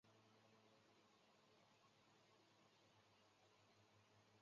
徽县吴玠墓及墓碑的历史年代为南宋。